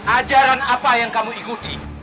ajaran apa yang kamu ikuti